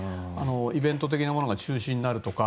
イベント的なものが中止になるとか。